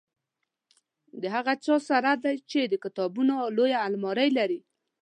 د هغه چا سره دی چې د کتابونو لویه المارۍ لري.